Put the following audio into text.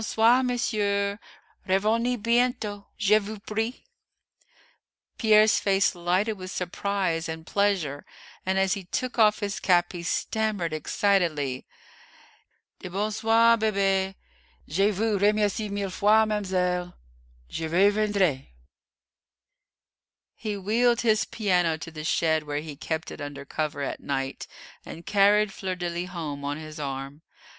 Bon soir, monsieur! Revenez bientôt, je vous prie!" Pierre's face lighted with surprise and pleasure, and, as he took off his cap he stammered excitedly, "Dis bon soir, bébé! Je vous remercis mille fois, ma'mselle; je reviendrai!" He wheeled his piano to the shed where he kept it under cover at night, and carried Fleur de lis home on his arm.